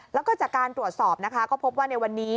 แล้วก็จากการตรวจสอบนะคะก็พบว่าในวันนี้